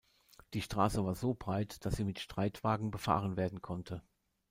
Die Straße war so breit, dass sie mit Streitwagen befahren werden konnte.